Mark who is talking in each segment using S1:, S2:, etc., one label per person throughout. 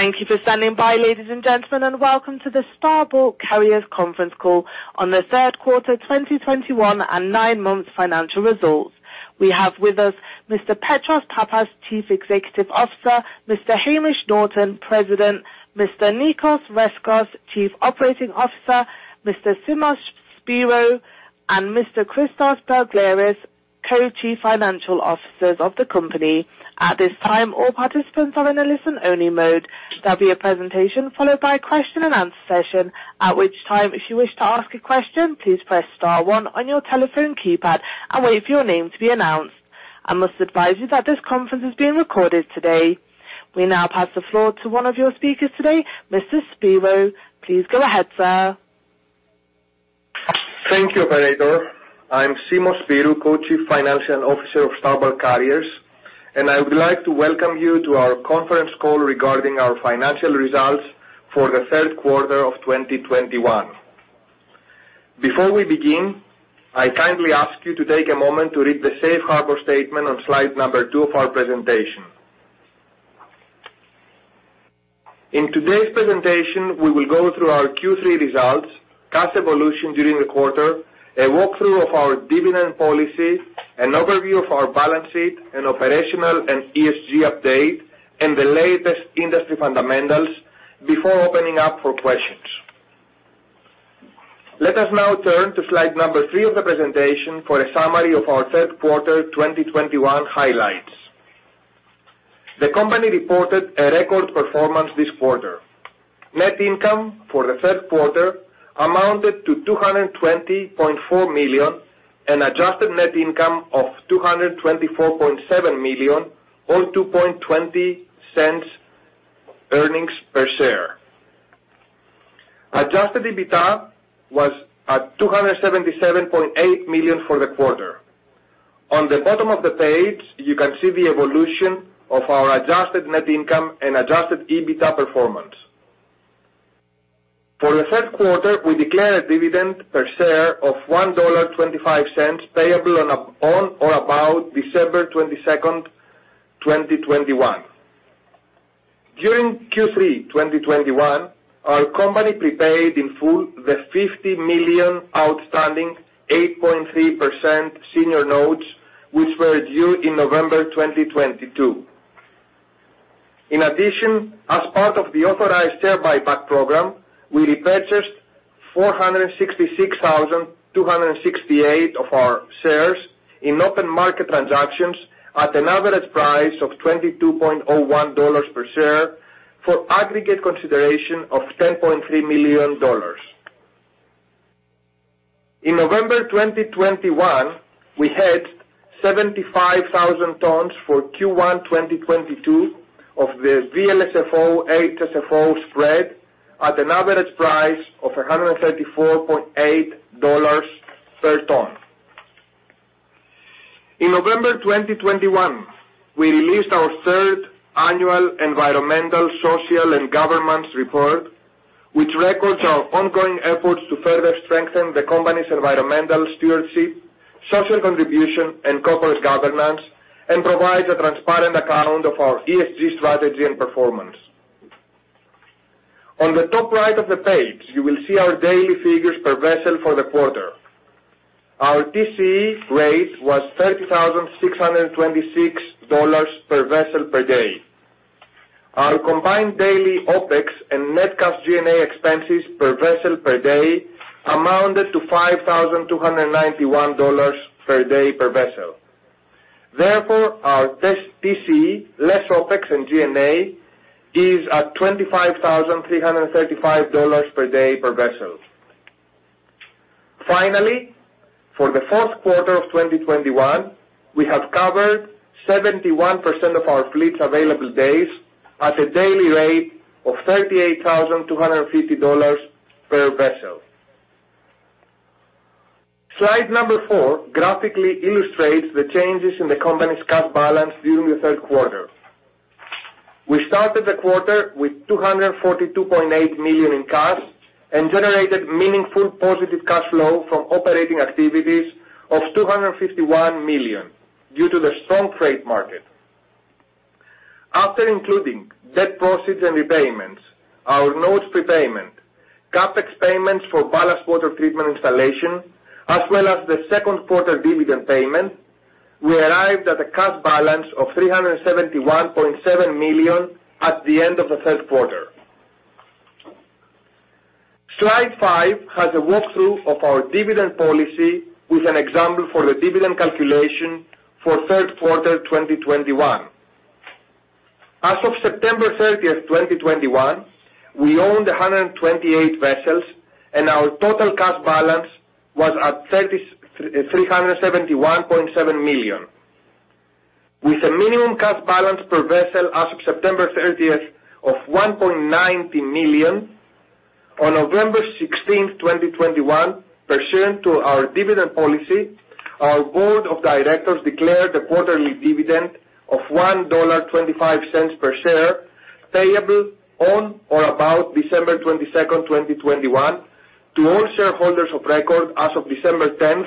S1: Thank you for standing by, ladies and gentlemen, and welcome to the Star Bulk Carriers Conference Call on the Third Quarter 2021 and Nine Months Financial Results. We have with us Mr. Petros Pappas, Chief Executive Officer, Mr. Hamish Norton, President, Mr. Nicos Rescos, Chief Operating Officer, Mr. Simos Spyrou and Mr. Christos Begleris, Co-Chief Financial Officers of the company. At this time, all participants are in a listen-only mode. There'll be a presentation followed by question and answer session. At which time, if you wish to ask a question, please press star one on your telephone keypad and wait for your name to be announced. I must advise you that this conference is being recorded today. We now pass the floor to one of your speakers today, Mr. Spyrou. Please go ahead, sir.
S2: Thank you, operator. I'm Simos Spyrou, Co-Chief Financial Officer of Star Bulk Carriers, and I would like to welcome you to our conference call regarding our financial results for the third quarter of 2021. Before we begin, I kindly ask you to take a moment to read the safe harbor statement on slide two of our presentation. In today's presentation, we will go through our Q3 results, cash evolution during the quarter, a walkthrough of our dividend policy, an overview of our balance sheet and operational and ESG update, and the latest industry fundamentals before opening up for questions. Let us now turn to slide three of the presentation for a summary of our third quarter 2021 highlights. The company reported a record performance this quarter. Net income for the third quarter amounted to $220.4 million and adjusted net income of $224.7 million or $2.20 earnings per share. Adjusted EBITDA was at $277.8 million for the quarter. On the bottom of the page, you can see the evolution of our adjusted net income and adjusted EBITDA performance. For the third quarter, we declare a dividend per share of $1.25 payable on or about December 22nd, 2021. During Q3 2021, our company prepaid in full the $50 million outstanding 8.3% senior notes, which were due in November 2022. In addition, as part of the authorized share buyback program, we repurchased 466,268 of our shares in open market transactions at an average price of $22.01 per share for aggregate consideration of $10.3 million. In November 2021, we had 75,000 tons for Q1 2022 of the VLSFO HFO spread at an average price of $134.8 per ton. In November 2021, we released our third annual environmental, social, and governance report, which records our ongoing efforts to further strengthen the company's environmental stewardship, social contribution, and corporate governance, and provides a transparent account of our ESG strategy and performance. On the top right of the page, you will see our daily figures per vessel for the quarter. Our TCE rate was $30,626 per vessel per day. Our combined daily OpEx and net cash G&A expenses per vessel per day amounted to $5,291 per day per vessel. Therefore, our TCE, less OpEx and G&A, is at $25,335 per day per vessel. Finally, for the fourth quarter of 2021, we have covered 71% of our fleet's available days at a daily rate of $38,250 per vessel. Slide number four graphically illustrates the changes in the company's cash balance during the third quarter. We started the quarter with $242.8 million in cash and generated meaningful positive cash flow from operating activities of $251 million due to the strong freight market. After including debt proceeds and repayments, our notes prepayment, CapEx payments for ballast water treatment installation, as well as the second quarter dividend payment, we arrived at a cash balance of $371.7 million at the end of the third quarter. Slide five has a walkthrough of our dividend policy with an example for the dividend calculation for third quarter 2021. As of September 30th, 2021, we owned 128 vessels and our total cash balance was $371.7 million. With a minimum cash balance per vessel as of September 30th of $1.9 million, on November 16, 2021, pursuant to our dividend policy, our board of directors declared a quarterly dividend of $1.25 per share, payable on or about December 22nd, 2021 to all shareholders of record as of December 10th.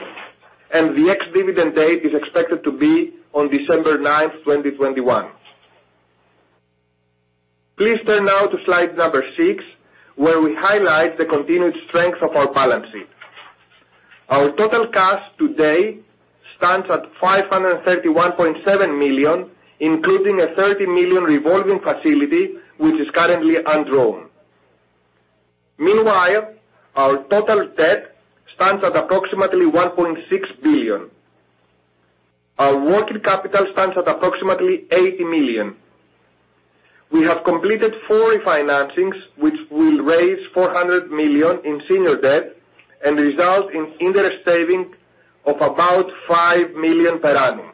S2: The ex-dividend date is expected to be on December 9th, 2021. Please turn now to slide six, where we highlight the continued strength of our balance sheet. Our total cash today stands at $531.7 million, including a $30 million revolving facility, which is currently undrawn. Meanwhile, our total debt stands at approximately $1.6 billion. Our working capital stands at approximately $80 million. We have completed four financings, which will raise $400 million in senior debt and result in interest saving of about $5 million per annum.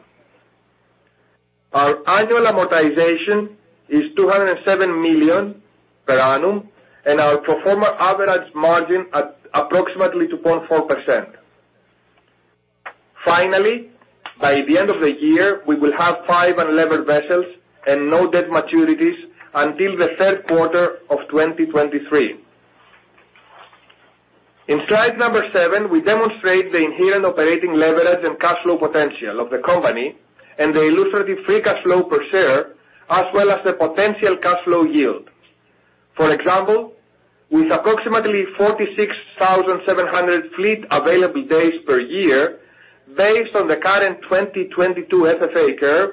S2: Our annual amortization is $207 million per annum, and our pro forma average margin at approximately 2.4%. Finally, by the end of the year, we will have five unlevered vessels and no debt maturities until the third quarter of 2023. In slide seven, we demonstrate the inherent operating leverage and cash flow potential of the company and the illustrative free cash flow per share, as well as the potential cash flow yield. For example, with approximately 46,700 fleet available days per year based on the current 2022 FFA curve,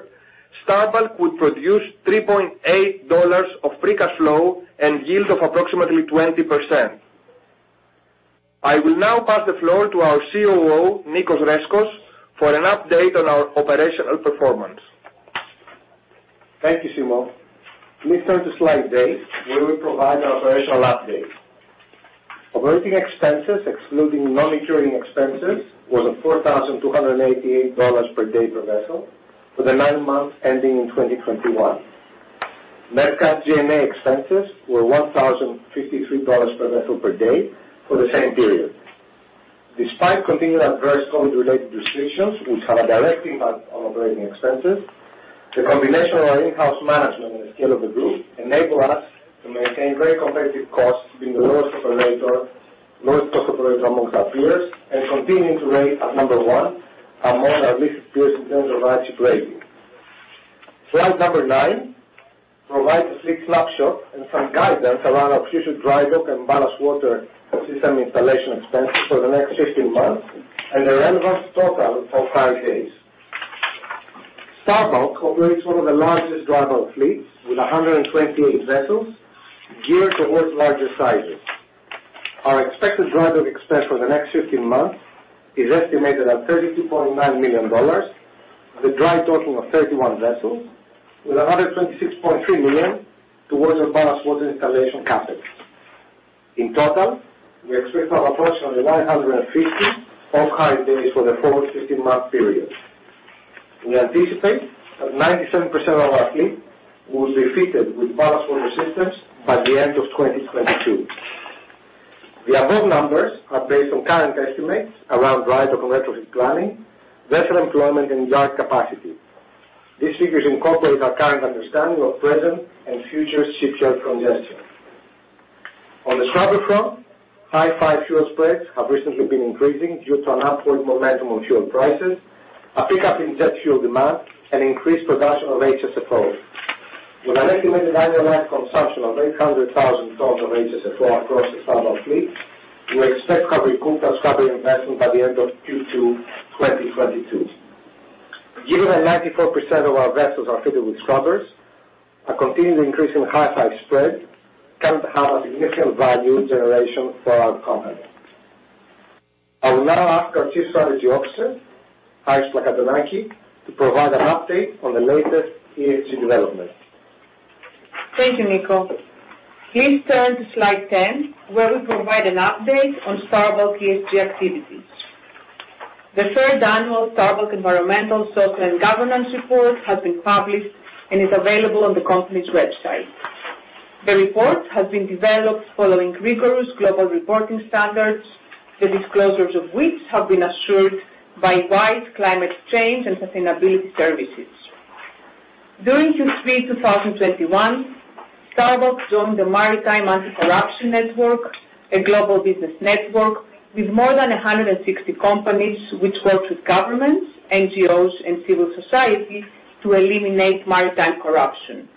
S2: Star Bulk would produce $3.8 of free cash flow and yield of approximately 20%. I will now pass the floor to our COO, Nicos Rescos, for an update on our operational performance.
S3: Thank you, Simos. Please turn to slide eight, where we provide our operational update. Operating expenses, excluding non-recurring expenses, was at $4,288 per day per vessel for the nine months ending in 2021. Net cash G&A expenses were $1,053 per vessel per day for the same period. Despite continued adverse COVID-related restrictions, which have a direct impact on operating expenses, the combination of our in-house management and the scale of the group enable us to maintain very competitive costs, being the lowest operator, lowest cost operator among our peers and continuing to rate at number one among our listed peers in terms of our ship rating. Slide number 9 provides a fleet snapshot and some guidance around our future dry dock and ballast water system installation expenses for the next 15 months and the relevant total of hire days. Star Bulk operates one of the largest dry bulk fleets with 128 vessels geared towards larger sizes. Our expected dry dock expense for the next 15 months is estimated at $32.9 million with a dry total of 31 vessels with another $26.3 million towards our ballast water installation CapEx. In total, we expect to have approximately 950 off-hire days for the forward 15-month period. We anticipate that 97% of our fleet will be fitted with ballast water systems by the end of 2022. The above numbers are based on current estimates around dry dock retrofit planning, vessel employment and yard capacity. These figures incorporate our current understanding of present and future shipyard congestion. On the scrubber front, high fuel spreads have recently been increasing due to an upward momentum on fuel prices, a pickup in jet fuel demand and increased production of HSFO. With an estimated annualized consumption of 800,000 tons of HSFO across the Star Bulk fleet, we expect to have recouped our scrubber investment by the end of Q2 2022. Given that 94% of our vessels are fitted with scrubbers, a continued increase in high spread can have a significant value generation for our company. I will now ask our Chief Strategy Officer, Charis Plakantonaki, to provide an update on the latest ESG development.
S4: Thank you, Nicos. Please turn to slide 10, where we provide an update on Star Bulk ESG activities. The first annual Star Bulk environmental, social and governance report has been published and is available on the company's website. The report has been developed following rigorous global reporting standards, the disclosures of which have been assured by EY Climate Change and Sustainability Services. During Q3 2021, Star Bulk joined the Maritime Anti-Corruption Network, a global business network with more than 160 companies which works with governments, NGOs and civil society to eliminate maritime corruption.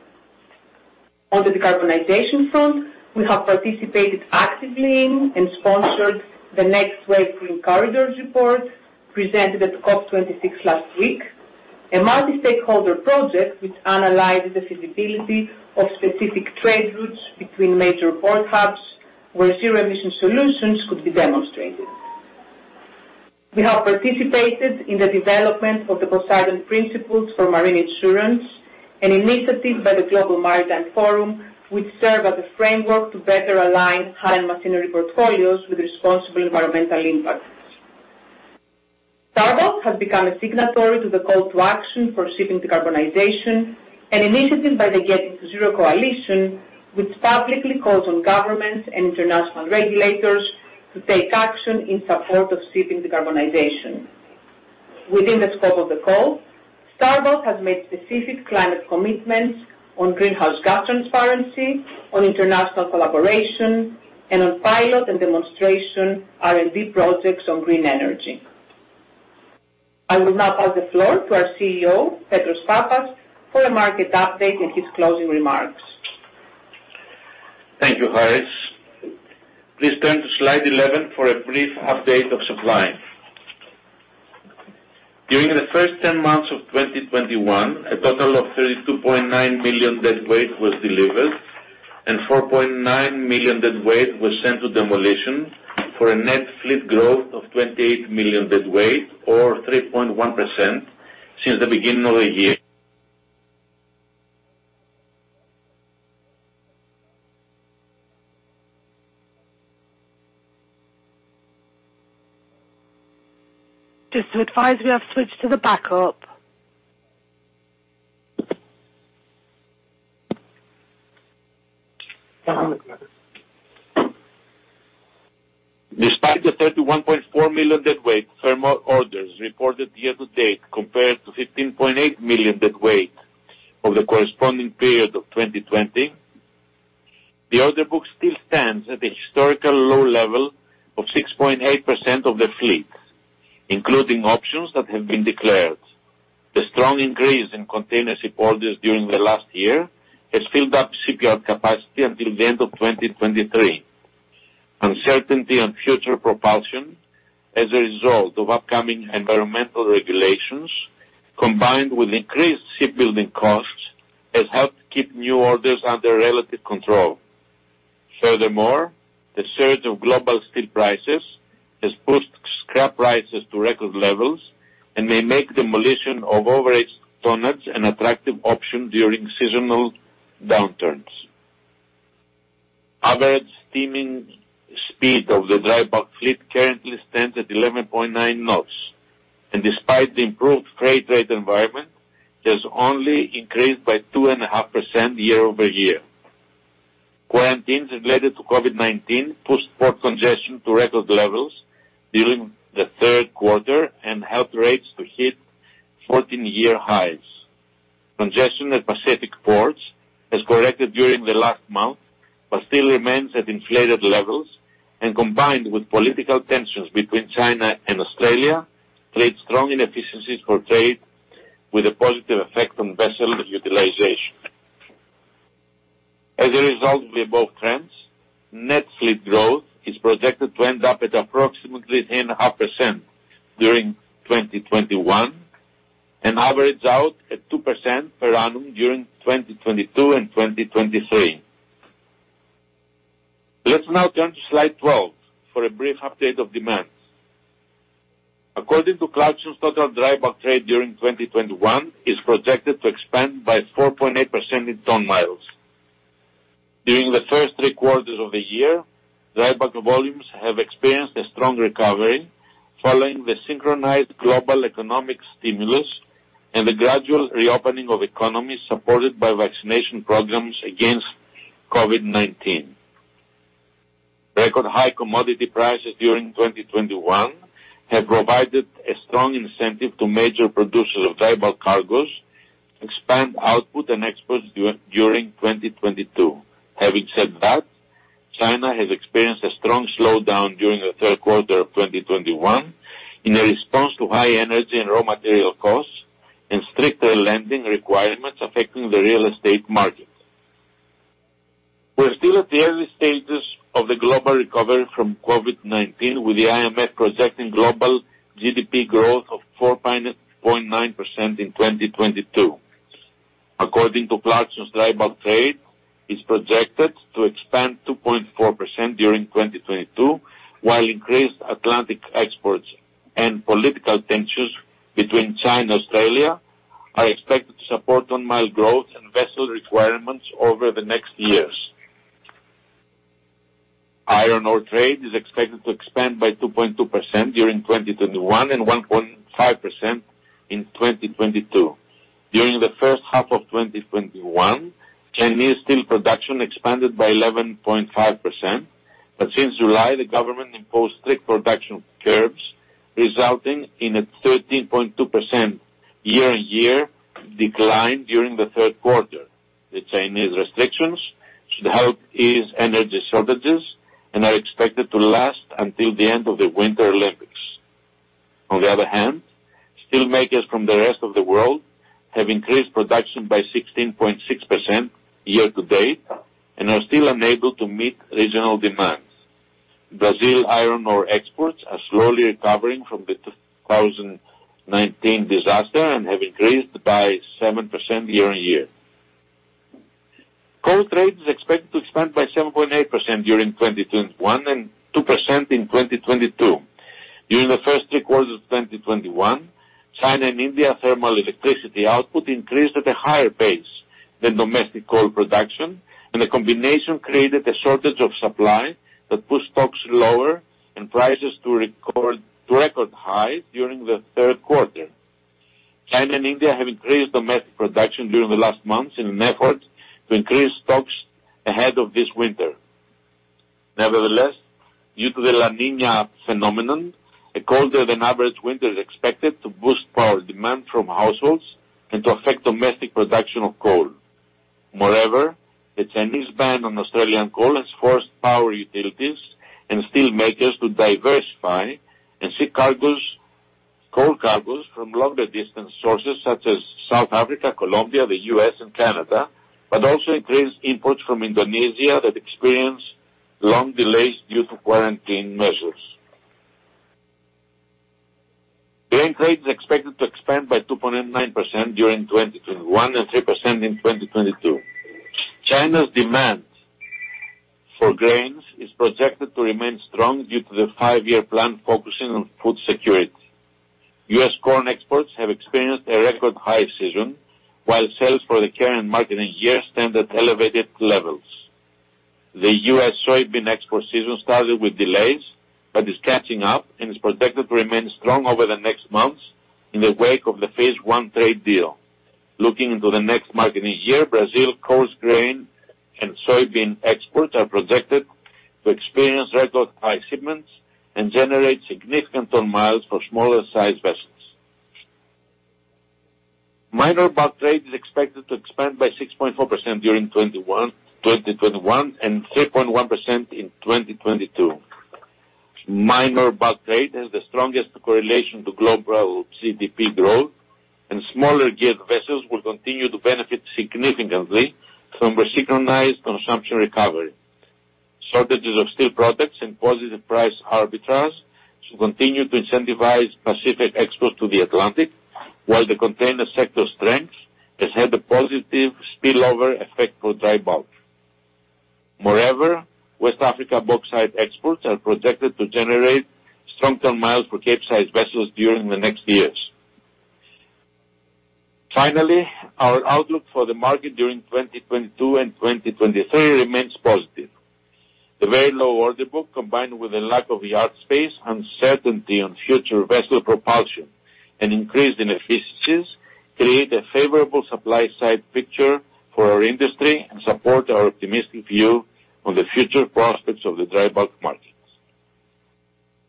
S4: On the decarbonization front, we have participated actively in and sponsored The Next Wave: Green Corridors report presented at COP26 last week, a multi-stakeholder project which analyzed the feasibility of specific trade routes between major port hubs where zero-emission solutions could be demonstrated. We have participated in the development of the Poseidon Principles for Marine Insurance, an initiative by the Global Maritime Forum, which serve as a framework to better align hull and machinery portfolios with responsible environmental impacts. Star Bulk has become a signatory to the Call to Action for Shipping Decarbonization, an initiative by the Getting to Zero Coalition, which publicly calls on governments and international regulators to take action in support of shipping decarbonization. Within the scope of the call, Star Bulk has made specific climate commitments on greenhouse gas transparency, on international collaboration, and on pilot and demonstration R&D projects on green energy. I will now pass the floor to our CEO, Petros Pappas, for a market update and his closing remarks.
S5: Thank you, Charis. Please turn to slide 11 for a brief update of supply. During the first 10 months of 2021, a total of 32.9 million deadweight was delivered, and 4.9 million deadweight was sent to demolition for a net fleet growth of 28 million deadweight or 3.1% since the beginning of the year.
S1: Just to advise, we have switched to the backup.
S5: Despite the 31.4 million deadweight ton orders reported year-to-date compared to 15.8 million deadweight tons of the corresponding period of 2020, the order book still stands at the historical low level of 6.8% of the fleet, including options that have been declared. The strong increase in container ship orders during the last year has filled up shipyard capacity until the end of 2023. Uncertainty on future propulsion as a result of upcoming environmental regulations, combined with increased shipbuilding costs, has helped keep new orders under relative control. Furthermore, the surge of global steel prices has pushed scrap prices to record levels and may make demolition of overaged tonnage an attractive option during seasonal downturns. Average steaming speed of the dry bulk fleet currently stands at 11.9 knots, and despite the improved freight rate environment, it has only increased by 2.5% year-over-year. Quarantines related to COVID-19 pushed port congestion to record levels during the third quarter and helped rates to hit 14-year highs. Congestion at Pacific ports has corrected during the last month, but still remains at inflated levels, and combined with political tensions between China and Australia, create strong inefficiencies for trade with a positive effect on vessel utilization. As a result of the above trends, net fleet growth is projected to end up at approximately 10.5% during 2021 and average out at 2% per annum during 2022 and 2023. Let's now turn to slide 12 for a brief update of demands. According to Clarksons, total dry bulk trade during 2021 is projected to expand by 4.8% in ton-miles. During the first three quarters of the year, dry bulk volumes have experienced a strong recovery following the synchronized global economic stimulus and the gradual reopening of economies supported by vaccination programs against COVID-19. Record high commodity prices during 2021 have provided a strong incentive to major producers of dry bulk cargos to expand output and exports during 2022. Having said that, China has experienced a strong slowdown during the third quarter of 2021 in a response to high energy and raw material costs and stricter lending requirements affecting the real estate market. We're still at the early stages of the global recovery from COVID-19, with the IMF projecting global GDP growth of 4.9% in 2022. According to Clarksons, dry bulk trade is projected to expand 2.4% during 2022, while increased Atlantic exports and political tensions between China, Australia are expected to support ton-mile growth and vessel requirements over the next years. Iron ore trade is expected to expand by 2.2% during 2021 and 1.5% in 2022. During the first half of 2021, Chinese steel production expanded by 11.5%. Since July, the government imposed strict production curbs, resulting in a 13.2% year-on-year decline during the third quarter. The Chinese restrictions should help ease energy shortages and are expected to last until the end of the Winter Olympics. On the other hand, steel makers from the rest of the world have increased production by 16.6% year-to-date and are still unable to meet regional demands. Brazil iron ore exports are slowly recovering from the 2019 disaster and have increased by 7% year-on-year. Coal trade is expected to expand by 7.8% during 2021 and 2% in 2022. During the first three quarters of 2021, China and India thermal electricity output increased at a higher pace than domestic coal production, and the combination created a shortage of supply that pushed stocks lower and prices to record high during the third quarter. China and India have increased domestic production during the last months in an effort to increase stocks ahead of this winter. Nevertheless, due to the La Niña phenomenon, a colder than average winter is expected to boost power demand from households and to affect domestic production of coal. Moreover, the Chinese ban on Australian coal has forced power utilities and steel makers to diversify and seek cargoes, coal cargoes from longer distance sources such as South Africa, Colombia, the U.S. and Canada, but also increased imports from Indonesia that experience long delays due to quarantine measures. Grain trade is expected to expand by 2.9% during 2021 and 3% in 2022. China's demand for grains is projected to remain strong due to the five-year plan focusing on food security. U.S. corn exports have experienced a record high season, while sales for the current marketing year stand at elevated levels. The U.S. soybean export season started with delays, but is catching up and is projected to remain strong over the next months in the wake of the Phase One trade deal. Looking into the next marketing year, Brazil coarse grain and soybean exports are projected to experience record high shipments and generate significant ton-miles for smaller sized vessels. Minor bulk trade is expected to expand by 6.4% during 2021 and 3.1% in 2022. Minor bulk trade has the strongest correlation to global GDP growth, and smaller geared vessels will continue to benefit significantly from resynchronized consumption recovery. Shortages of steel products and positive price arbitrage should continue to incentivize Pacific exports to the Atlantic while the container sector strength has had a positive spillover effect for dry bulk. Moreover, West Africa bauxite exports are projected to generate strong ton-miles for Capesize vessels during the next years. Finally, our outlook for the market during 2022 and 2023 remains positive. The very low order book, combined with the lack of yard space, uncertainty on future vessel propulsion and increase in efficiencies create a favorable supply side picture for our industry and support our optimistic view on the future prospects of the dry bulk markets.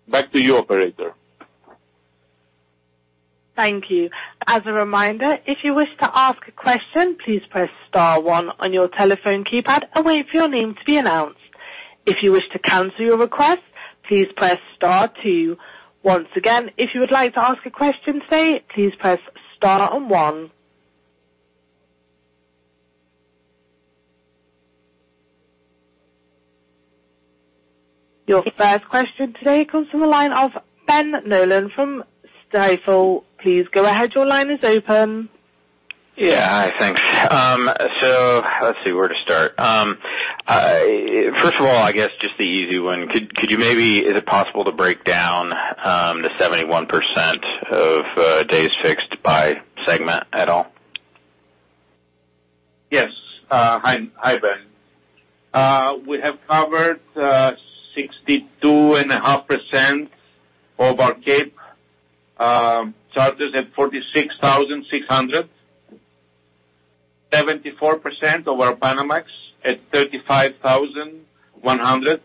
S5: Back to you, operator.
S1: Your first question today comes from the line of Ben Nolan from Stifel. Please go ahead. Your line is open.
S6: Yeah. Hi, thanks. Let's see where to start. First of all, I guess just the easy one. Could you maybe is it possible to break down the 71% of days fixed by segment at all?
S5: Yes. Hi, Ben. We have covered 62.5% of our Capes at $46,600. 74% of our Panamax at $35,100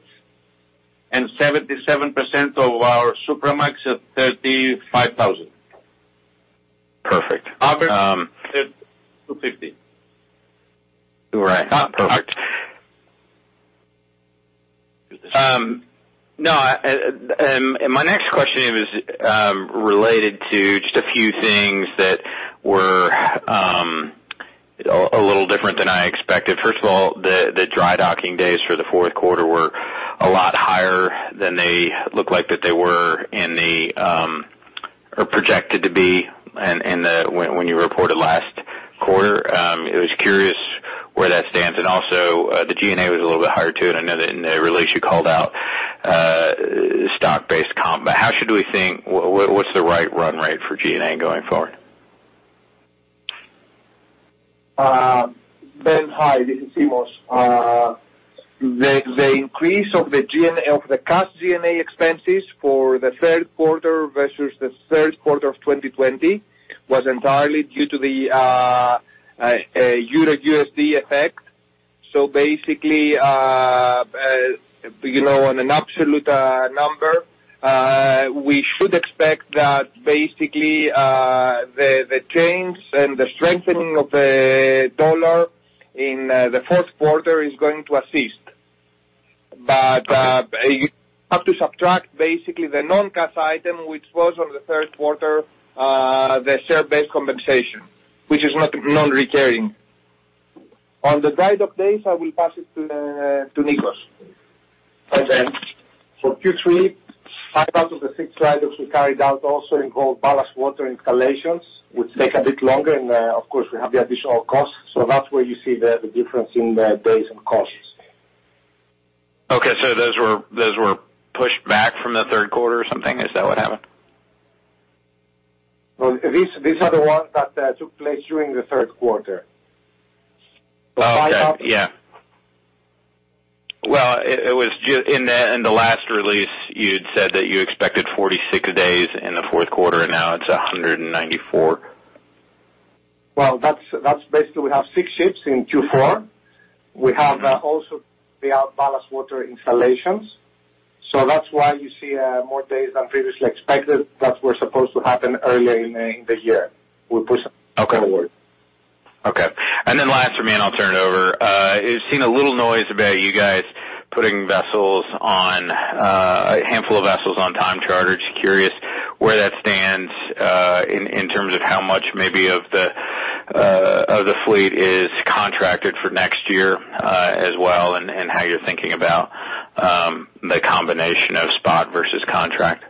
S5: and 77% of our Supramax at $35,000.
S6: Perfect.
S5: Other 250.
S6: Right. Perfect. No. My next question is related to just a few things that were a little different than I expected. First of all, the dry docking days for the fourth quarter were a lot higher than they looked like they were projected to be when you reported last quarter. I'm curious where that stands. Also, the G&A was a little bit higher too, and I know that in the release you called out stock-based comp. How should we think? What's the right run rate for G&A going forward?
S2: Ben, hi, this is Simos. The increase of the G&A, of the cost G&A expenses for the third quarter versus the third quarter of 2020 was entirely due to the euro-USD effect. Basically, you know, on an absolute number, we should expect that basically, the change and the strengthening of the dollar in the fourth quarter is going to assist. You have to subtract basically the non-cash item, which was on the third quarter, the share-based compensation, which is not non-recurring. On the dry dock days, I will pass it to Nicos.
S3: Hi, Ben. For Q3, five out of the six dry docks we carried out also involved ballast water installations, which take a bit longer. Of course, we have the additional costs. That's where you see the difference in the days and costs.
S6: Okay, those were pushed back from the third quarter or something. Is that what happened?
S3: Well, these are the ones that took place during the third quarter.
S6: Oh, okay. Yeah. Well, it was just in the last release you'd said that you expected 46 days in the fourth quarter and now it's 194.
S3: Well, that's basically we have six ships in Q4. We have also the ballast water installations. That's why you see more days than previously expected that were supposed to happen early in the year. We push them forward.
S6: Okay. Last for me, and I'll turn it over. There's been a little noise about you guys putting a handful of vessels on time charter. Just curious where that stands in terms of how much maybe of the fleet is contracted for next year as well, and how you're thinking about the combination of spot versus contract.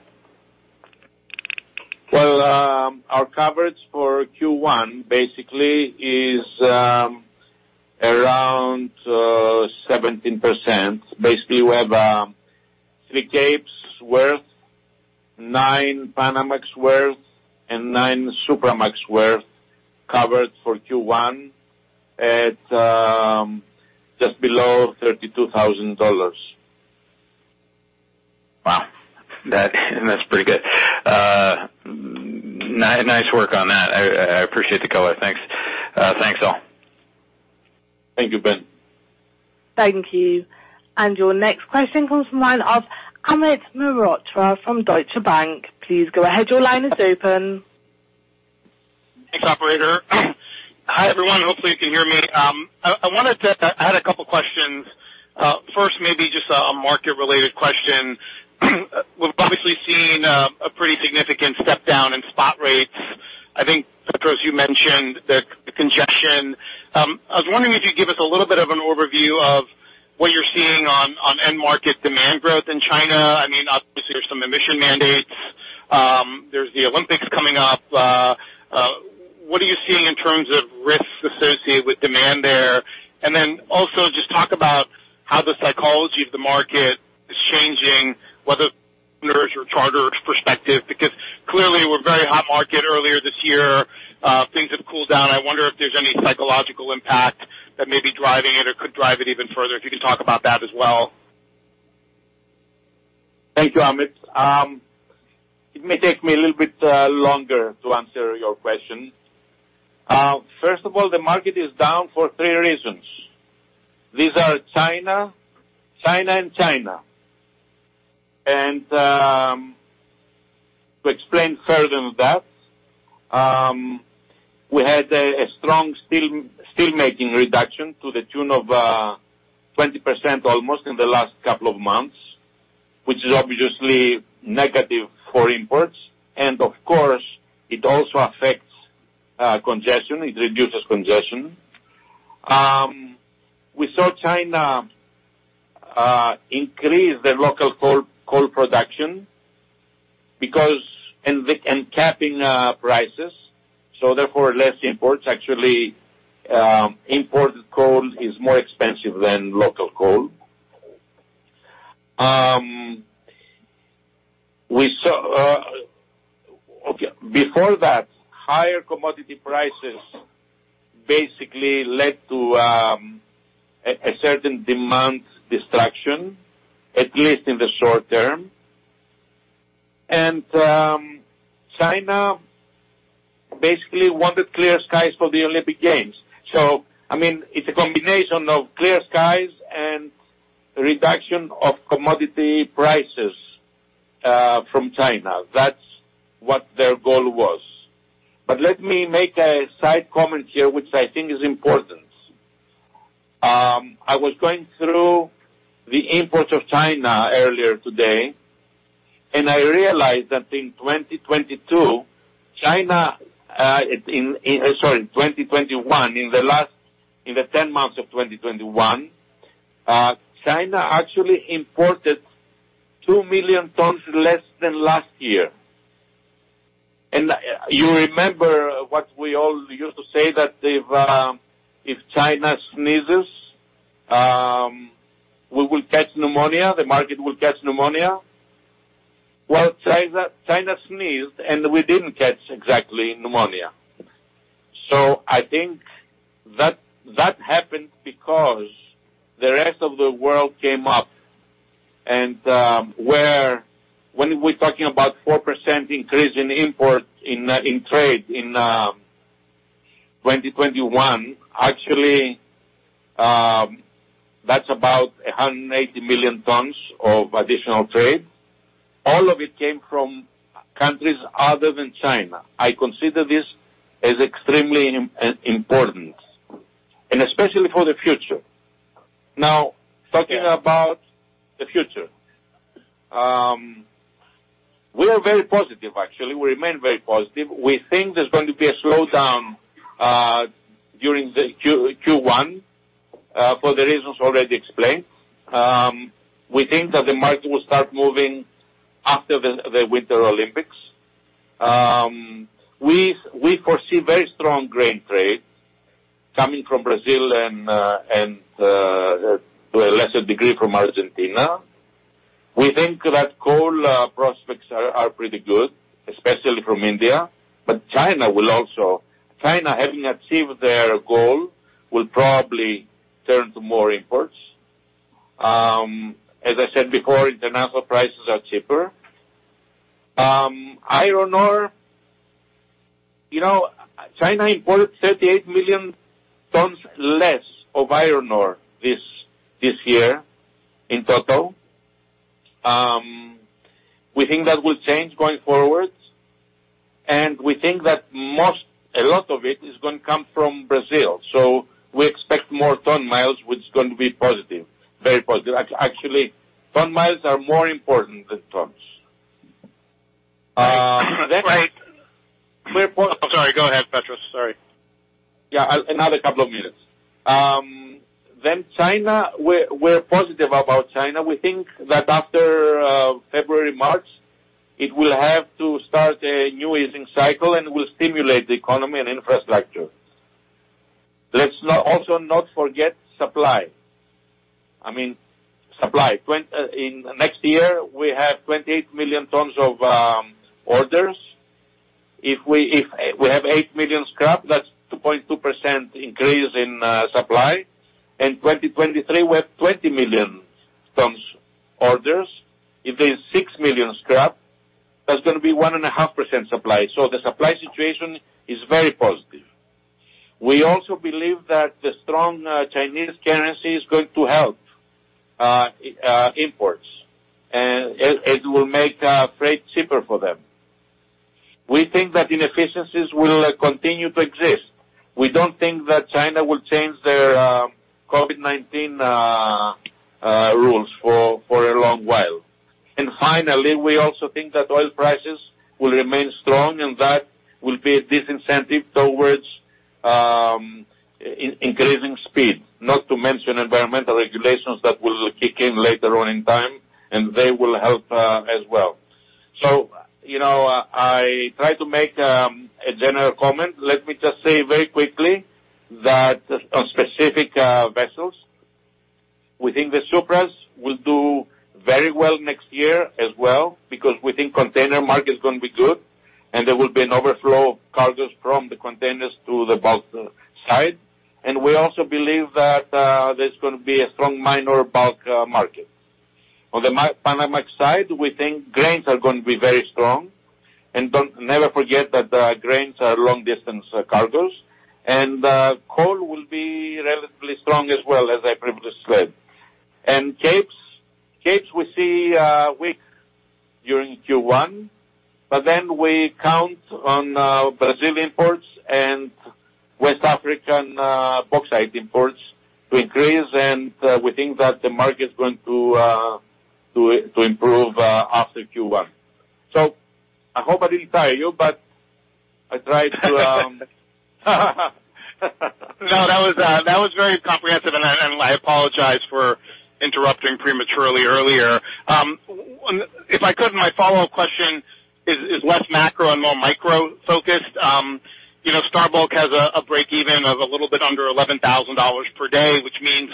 S5: Well, our coverage for Q1 basically is around 17%. Basically, we have three Capes worth, nine Panamax worth, and nine Supramax worth covered for Q1 at just below $32,000.
S6: Wow. That's pretty good. Nice work on that. I appreciate the color. Thanks. Thanks, all.
S5: Thank you, Ben.
S1: Thank you. Your next question comes from the line of Amit Mehrotra from Deutsche Bank. Please go ahead. Your line is open.
S7: Thanks, operator. Hi, everyone. Hopefully you can hear me. I had a couple questions. First, maybe just a market-related question. We've obviously seen a pretty significant step down in spot rates. I think, Petros, you mentioned the congestion. I was wondering if you could give us a little bit of an overview of what you're seeing on end-market demand growth in China. I mean, obviously there's some emission mandates. There's the Olympics coming up. What are you seeing in terms of risks associated with demand there? Also just talk about how the psychology of the market is changing, whether owners or charterers perspective, because clearly we were in a very hot market earlier this year. Things have cooled down. I wonder if there's any psychological impact that may be driving it or could drive it even further. If you could talk about that as well.
S5: Thank you, Amit. It may take me a little bit longer to answer your question. First of all, the market is down for three reasons. These are China and China. To explain further on that, we had a strong steelmaking reduction to the tune of 20% almost in the last couple of months, which is obviously negative for imports. Of course, it also affects congestion. It reduces congestion. We saw China increase their local coal production because capping prices, so therefore less imports. Actually, imported coal is more expensive than local coal. Before that, higher commodity prices basically led to a certain demand destruction, at least in the short term. China basically wanted clear skies for the Olympic Games. I mean, it's a combination of clear skies and reduction of commodity prices from China. That's what their goal was. Let me make a side comment here, which I think is important. I was going through the imports of China earlier today, and I realized that in 2022, China. Sorry, 2021. In the last 10 months of 2021, China actually imported 2 million tons less than last year. You remember what we all used to say that if China sneezes, we will catch pneumonia. The market will catch pneumonia. Well, China sneezed, and we didn't catch exactly pneumonia. I think that happened because the rest of the world came up. When we're talking about 4% increase in imports in trade in 2021, actually, that's about 180 million tons of additional trade. All of it came from countries other than China. I consider this as extremely important, and especially for the future. Now, talking about the future. We are very positive, actually. We remain very positive. We think there's going to be a slowdown during Q1 for the reasons already explained. We think that the market will start moving after the Winter Olympics. We foresee very strong grain trade coming from Brazil and to a lesser degree from Argentina. We think that coal prospects are pretty good, especially from India. But China will also. China, having achieved their goal, will probably turn to more imports. As I said before, international prices are cheaper. Iron ore, you know, China imported 38 million tons less of iron ore this year in total. We think that will change going forward, and we think that most, a lot of it is gonna come from Brazil. We expect more ton-miles, which is going to be positive, very positive. Actually, ton-miles are more important than tons.
S7: Right. I'm sorry, go ahead, Petros. Sorry.
S5: Yeah. Another couple of minutes. Then China, we're positive about China. We think that after February, March, it will have to start a new easing cycle, and it will stimulate the economy and infrastructure. Let's not also not forget supply. I mean, supply. In next year, we have 28 million tons of orders. If we have 8 million scrap, that's 2.2% increase in supply. In 2023, we have 20 million tons orders. If there's 6 million scrap, that's gonna be 1.5% supply. So the supply situation is very positive. We also believe that the strong Chinese currency is going to help imports. It will make freight cheaper for them. We think that inefficiencies will continue to exist. We don't think that China will change their COVID-19 rules for a long while. Finally, we also think that oil prices will remain strong, and that will be a disincentive towards increasing speed, not to mention environmental regulations that will kick in later on in time, and they will help as well. You know, I try to make a general comment. Let me just say very quickly that on specific vessels, we think the Supramaxes will do very well next year as well because we think container market is gonna be good and there will be an overflow of cargos from the containers to the bulk side. We also believe that there's gonna be a strong minor bulk market. On the Panamax side, we think grains are gonna be very strong. Don't Never forget that, grains are long-distance cargos. Coal will be relatively strong as well, as I previously said. Capes we see weak during Q1, but then we count on, Brazil imports and West African, bauxite imports to increase. We think that the market is going to improve after Q1. I hope I didn't tire you, but I tried to.
S7: No, that was very comprehensive, and I apologize for interrupting prematurely earlier. If I could, my follow-up question is less macro and more micro-focused. You know, Star Bulk has a break even of a little bit under $11,000 per day, which means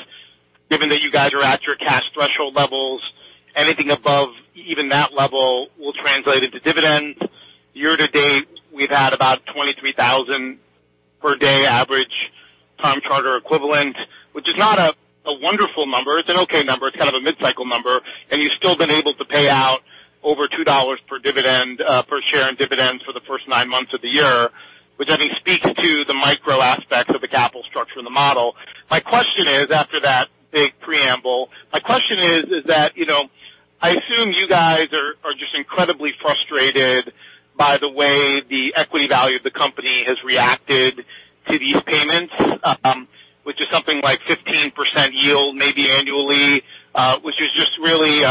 S7: given that you guys are at your cash threshold levels, anything above even that level will translate into dividends. Year to date, we've had about $23,000 per day average time charter equivalent, which is not a wonderful number. It's an okay number. It's kind of a mid-cycle number. And you've still been able to pay out over $2 per dividend per share in dividends for the first nine months of the year, which I think speaks to the micro aspects of the capital structure in the model. My question is. After that big preamble, my question is, you know, I assume you guys are just incredibly frustrated by the way the equity value of the company has reacted to these payments, which is something like 15% yield maybe annually, which is just really,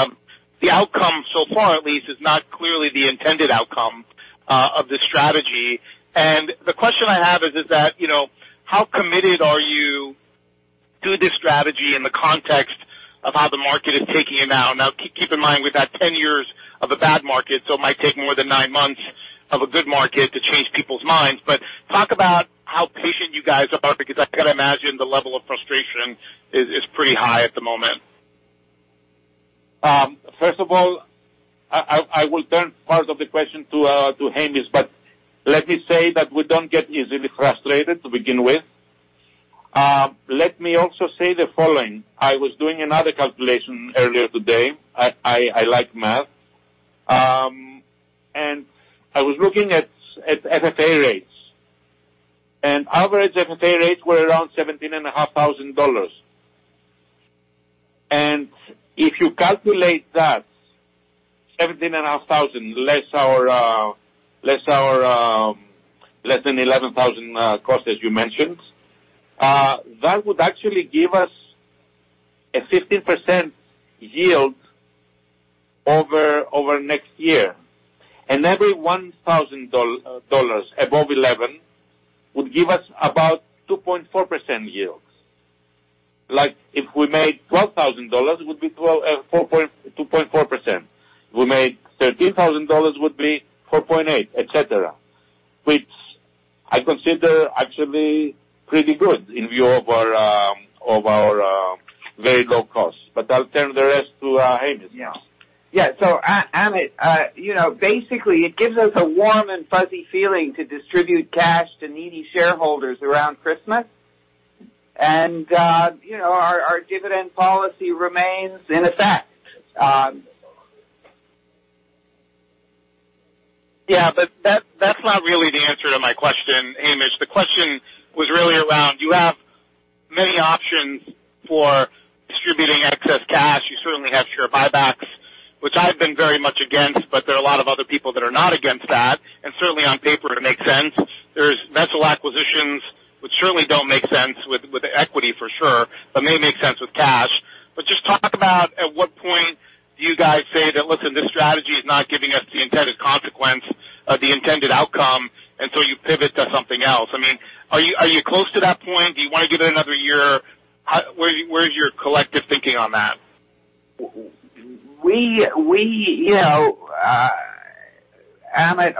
S7: the outcome so far at least is not clearly the intended outcome of this strategy. The question I have is, you know, how committed are you to this strategy in the context of how the market is taking it now. Now, keep in mind we've had 10 years of a bad market, so it might take more than nine months of a good market to change people's minds. Talk about how patient you guys are because I can imagine the level of frustration is pretty high at the moment.
S5: First of all, I will turn part of the question to Hamish. Let me say that we don't get easily frustrated to begin with. Let me also say the following. I was doing another calculation earlier today. I like math. I was looking at FFA rates. Average FFA rates were around $17,500. If you calculate that $17,500 less than $11,000 cost as you mentioned, that would actually give us a 15% yield over next year. Every $1,000 above $11,000 would give us about 2.4% yield. Like, if we made $12,000, it would be 2.4%. If we made $13,000, it would be 4.8%, et cetera, which I consider actually pretty good in view of our very low cost. I'll turn the rest to Hamish now.
S8: Amit, you know, basically it gives us a warm and fuzzy feeling to distribute cash to needy shareholders around Christmas. You know, our dividend policy remains in effect.
S7: Yeah, but that's not really the answer to my question, Hamish. The question was really around you have many options for distributing excess cash. You certainly have share buybacks, which I've been very much against, but there are a lot of other people that are not against that. Certainly on paper it makes sense. There's vessel acquisitions, which certainly don't make sense with equity for sure, but may make sense with cash. Just talk about at what point do you guys say that, look, this strategy is not giving us the intended consequence or the intended outcome, and so you pivot to something else. I mean, are you close to that point? Do you want to give it another year? How, where is your collective thinking on that?
S8: We, you know, Amit,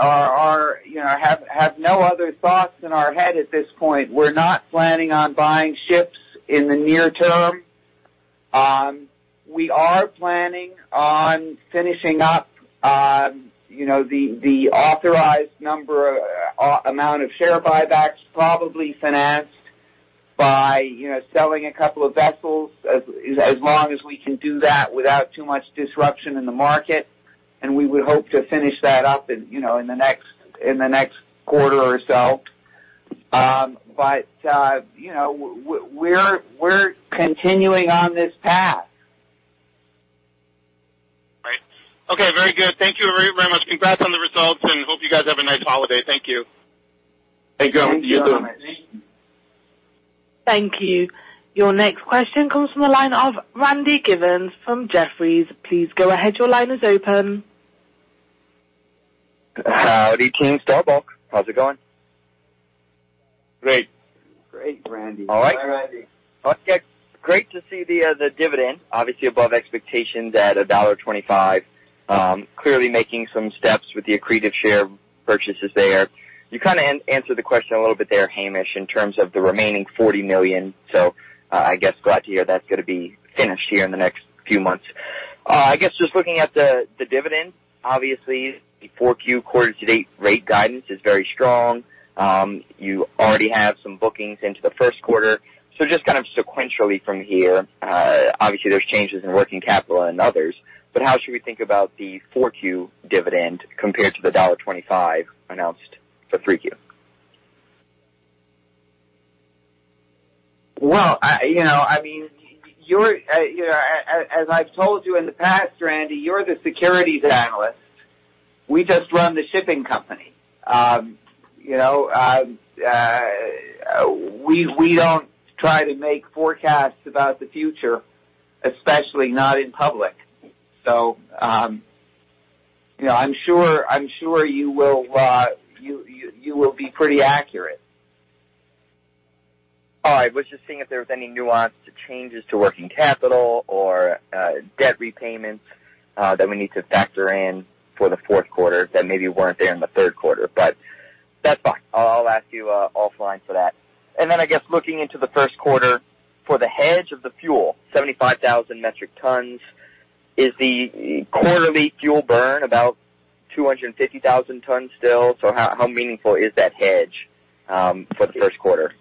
S8: have no other thoughts in our head at this point. We're not planning on buying ships in the near term. We are planning on finishing up, you know, the authorized number, amount of share buybacks probably financed by, you know, selling a couple of vessels as long as we can do that without too much disruption in the market. We would hope to finish that up in, you know, the next quarter or so. But, you know, we're continuing on this path.
S7: Right. Okay. Very good. Thank you very, very much. Congrats on the results, and hope you guys have a nice holiday. Thank you.
S8: Thank you. You too.
S1: Thank you. Your next question comes from the line of Randy Giveans from Jefferies. Please go ahead. Your line is open.
S9: Howdy, Team Star Bulk. How's it going?
S8: Great.
S10: Great, Randy.
S8: All right.
S9: Okay. Great to see the dividend obviously above expectations at $1.25. Clearly making some steps with the accretive share purchases there. You kinda answered the question a little bit there, Hamish, in terms of the remaining $40 million. I'm glad to hear that's gonna be finished here in the next few months. I guess just looking at the dividend, obviously the Q4 quarter to date rate guidance is very strong. You already have some bookings into the first quarter. Just kind of sequentially from here, obviously, there's changes in working capital and others, but how should we think about the Q4 dividend compared to the $1.25 announced for Q3?
S8: Well, you know, I mean, as I've told you in the past, Randy, you're the securities analyst. We just run the shipping company. You know, we don't try to make forecasts about the future, especially not in public. You know, I'm sure you will be pretty accurate.
S9: All right. I was just seeing if there was any nuance to changes to working capital or debt repayments that we need to factor in for the fourth quarter that maybe weren't there in the third quarter. That's fine. I'll ask you offline for that. I guess looking into the first quarter for the hedge of the fuel, 75,000 metric tons, is the quarterly fuel burn about 250,000 tons still? How meaningful is that hedge for the first quarter?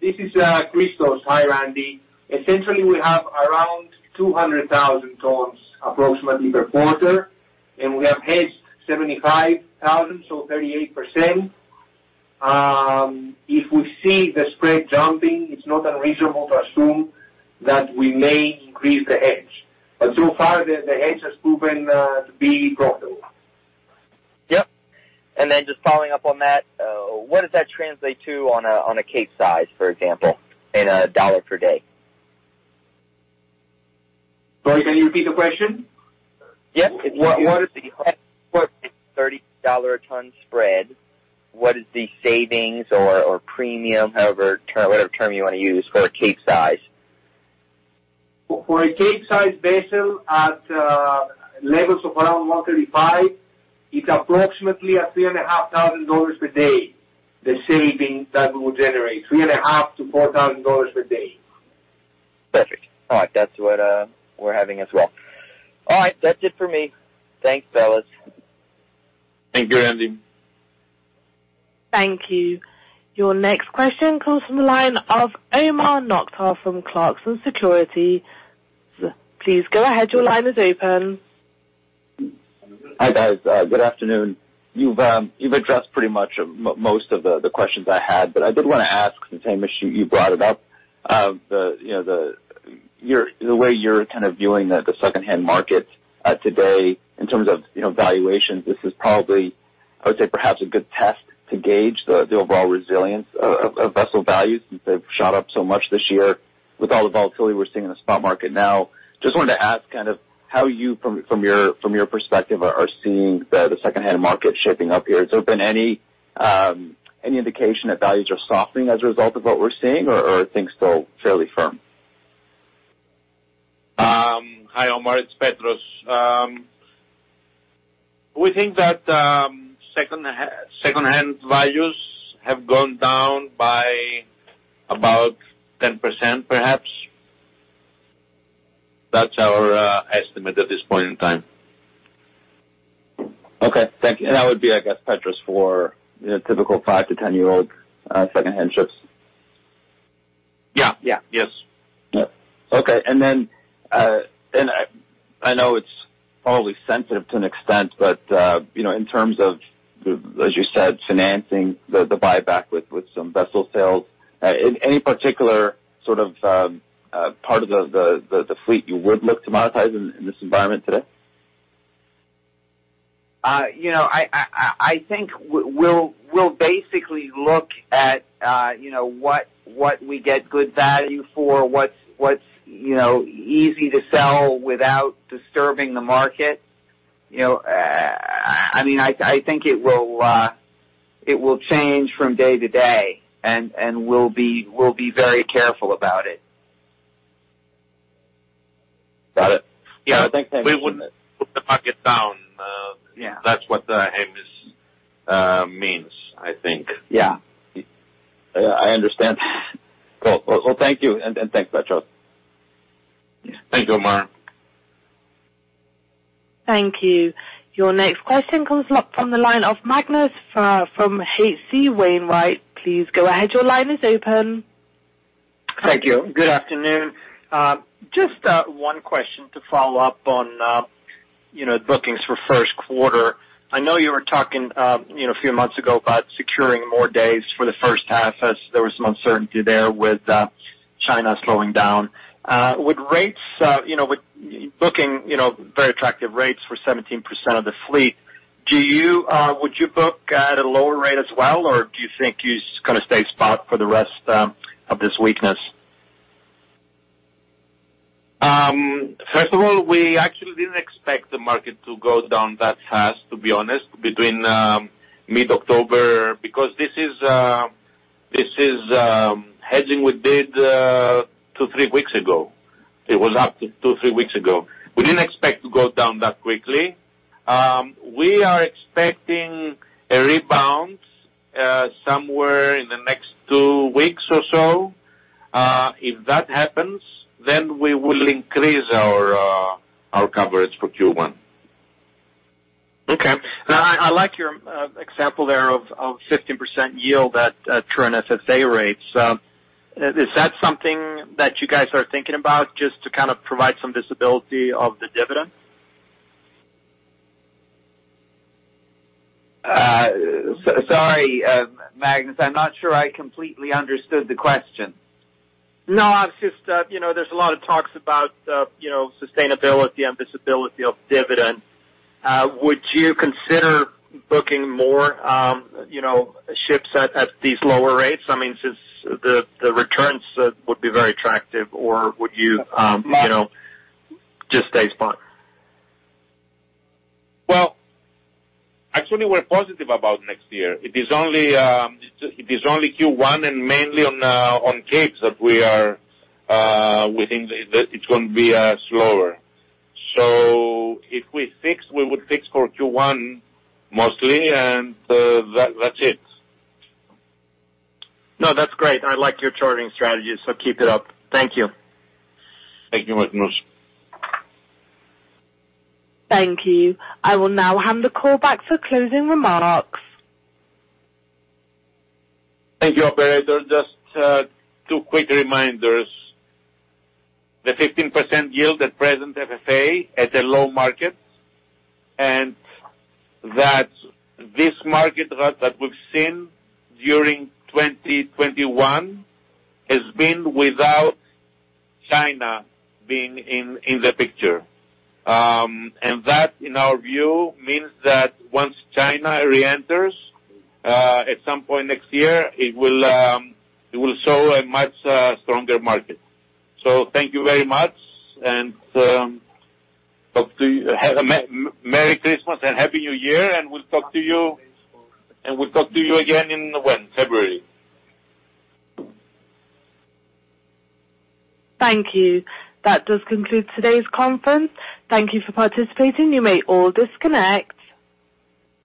S10: This is Christos. Hi, Randy. Essentially, we have around 200,000 tons approximately per quarter, and we have hedged 75,000, so 38%. If we see the spread jumping, it's not unreasonable to assume that we may increase the hedge. So far the hedge has proven to be profitable.
S9: Yep. Just following up on that, what does that translate to on a Capesize, for example, in $ per day?
S10: Sorry, can you repeat the question?
S9: Yes. What is the cost for a $30 ton spread? What is the savings or premium, however term, whatever term you wanna use for a Capesize?
S10: For a Capesize vessel at levels of around 135, it's approximately $3,500 per day, the savings that we will generate, $3,500-$4,000 per day.
S9: Perfect. All right. That's what we're having as well. All right. That's it for me. Thanks, fellas.
S10: Thank you, Randy.
S1: Thank you. Your next question comes from the line of Omar Nokta from Clarksons Securities. Please go ahead. Your line is open.
S11: Hi, guys. Good afternoon. You've addressed pretty much most of the questions I had. I did wanna ask since, Hamish, you brought it up. You know, the way you're kind of viewing the secondhand market today in terms of valuations. This is probably, I would say perhaps a good test to gauge the overall resilience of vessel values since they've shot up so much this year with all the volatility we're seeing in the spot market now. Just wanted to ask kind of how you from your perspective are seeing the secondhand market shaping up here. Has there been any indication that values are softening as a result of what we're seeing or are things still fairly firm?
S5: Hi, Omar. It's Petros. We think that secondhand values have gone down by about 10% perhaps. That's our estimate at this point in time.
S11: Okay. Thank you. That would be, I guess, Petros for, you know, typical 5- to 10-year-old, second-hand ships.
S8: Yeah. Yeah. Yes.
S11: Yeah. Okay. I know it's probably sensitive to an extent, but, you know, in terms of, as you said, financing the buyback with some vessel sales, in any particular sort of part of the fleet you would look to monetize in this environment today?
S8: You know, I think we'll basically look at, you know, what we get good value for, what's you know easy to sell without disturbing the market. You know, I mean, I think it will change from day to day, and we'll be very careful about it.
S11: Got it. Yeah. Thank you.
S5: We wouldn't put the bucket down.
S8: Yeah.
S5: That's what Hamish means, I think.
S8: Yeah.
S11: Yeah, I understand. Cool. Well, thank you, and thanks, Petros.
S5: Thank you, Omar.
S1: Thank you. Your next question comes up from the line of Magnus from H.C. Wainwright. Please go ahead. Your line is open.
S12: Thank you. Good afternoon. Just one question to follow up on, you know, bookings for first quarter. I know you were talking, you know, a few months ago about securing more days for the first half as there was some uncertainty there with China slowing down. Would rates, you know, with booking very attractive rates for 17% of the fleet, would you book at a lower rate as well, or do you think you just gonna stay spot for the rest of this weakness?
S5: First of all, we actually didn't expect the market to go down that fast, to be honest, between mid-October because this is hedging we did two to three weeks ago. It was up to two three weeks ago. We didn't expect to go down that quickly. We are expecting a rebound somewhere in the next two weeks or so. If that happens, then we will increase our coverage for Q1.
S12: Okay. Now I like your example there of 15% yield at current FFA rates. Is that something that you guys are thinking about just to kind of provide some visibility of the dividend?
S8: Sorry, Magnus, I'm not sure I completely understood the question.
S12: No, I'm just, you know, there's a lot of talk about, you know, sustainability and viability of dividend. Would you consider booking more, you know, ships at these lower rates? I mean, since the returns would be very attractive, or would you know, just stay spot?
S5: Well, actually we're positive about next year. It is only Q1 and mainly on Capes that we think that it's gonna be slower. If we fix, we would fix for Q1 mostly, and that's it.
S12: No, that's great. I like your charting strategy, so keep it up. Thank you.
S5: Thank you, Magnus.
S1: Thank you. I will now hand the call back for closing remarks.
S5: Thank you, operator. Just two quick reminders. The 15% yield at present FFA at a low market, and that this market that we've seen during 2021 has been without China being in the picture. That, in our view, means that once China reenters at some point next year, it will show a much stronger market. Thank you very much, and talk to you. Have a Merry Christmas and Happy New Year, and we'll talk to you again in February.
S1: Thank you. That does conclude today's conference. Thank you for participating. You may all disconnect.